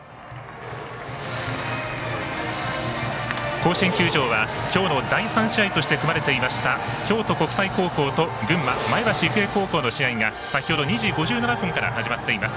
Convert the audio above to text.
甲子園球場はきょうの第３試合として組まれていました京都国際高校と群馬、前橋育英高校の試合が先ほど２時５７分から始まっています。